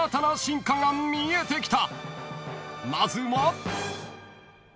［まずは］